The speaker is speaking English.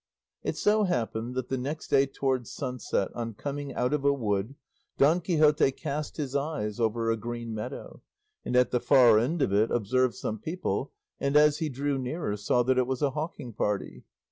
It so happened that the next day towards sunset, on coming out of a wood, Don Quixote cast his eyes over a green meadow, and at the far end of it observed some people, and as he drew nearer saw that it was a hawking party.